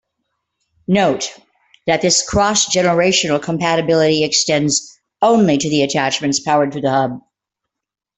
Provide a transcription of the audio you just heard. Note that this cross-generational compatibility extends only to attachments powered through the hub.